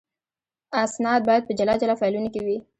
اسناد باید په جلا جلا فایلونو کې وي.